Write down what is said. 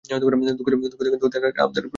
দুঃখিত, কিন্তু ওদেরকে আমাদের প্রয়োজন!